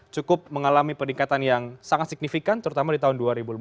cukup mengalami peningkatan yang sangat signifikan terutama di tahun dua ribu lima belas